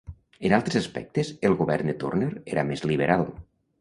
En altres aspectes, el govern de Turner era més liberal.